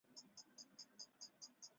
其坚忍不拔的性格就在苦牢中形成。